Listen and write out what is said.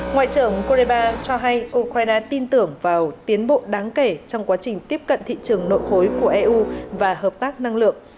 ngoại trưởng koreba cho hay ukraine tin tưởng vào tiến bộ đáng kể trong quá trình tiếp cận thị trường nội khối của eu và hợp tác năng lượng